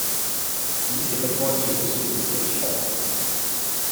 總之你不該説，你説便是你錯！」